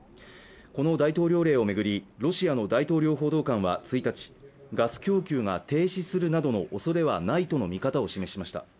この大統領令をめぐりロシアの大統領報道官は１日ガス供給が停止するなどのおそれはないとの見方を示しました